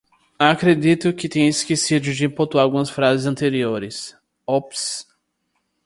Acredito que tenha esquecido de pontuar algumas frases anteriores... Ops!